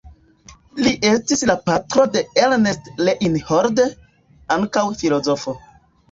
Li estis la patro de Ernst Reinhold, ankaŭ filozofo.